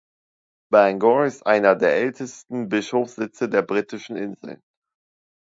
Bangor ist einer der ältesten Bischofssitze der Britischen Inseln.